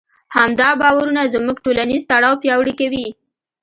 همدا باورونه زموږ ټولنیز تړاو پیاوړی کوي.